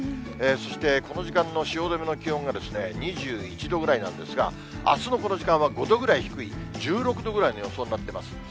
そして、この時間の汐留の気温が２１度ぐらいなんですが、あすのこの時間は５度ぐらい低い１６度ぐらいの予想になっています。